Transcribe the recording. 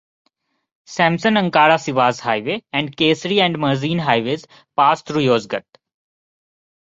Samsun-Ankara-Sivas highway and Kayseri and Mersin highways pass through Yozgat.